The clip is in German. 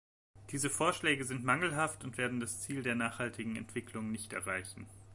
Diese Vorschläge sind mangelhaft und werden das Ziel der nachhaltigen Entwicklung nicht erreichen.